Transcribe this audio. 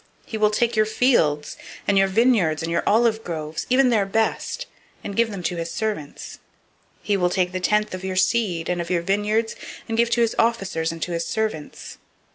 008:014 He will take your fields, and your vineyards, and your olive groves, even the best of them, and give them to his servants. 008:015 He will take the tenth of your seed, and of your vineyards, and give to his officers, and to his servants.